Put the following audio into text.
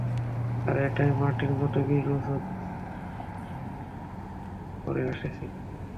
আর এটাই মার্টিন গত বিশ বছর ধরে করে আসছিলো।